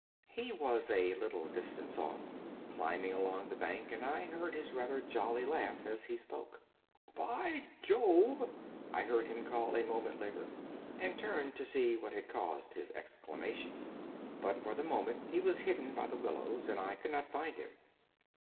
He was a little distance off, climbing along the bank, and I heard his rather jolly laugh as he spoke. "By Jove!" I heard him call, a moment later, and turned to see what had caused his exclamation. But for the moment he was hidden by the willows, and I could not find him.